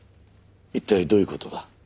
一体どういう事だ？